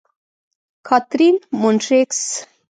کاترین: مونټریکس.